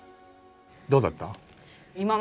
どうだった？